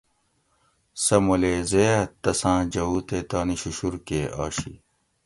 سہ مولیزے اۤ تساۤں جوؤ تے تانی ششور کے آشی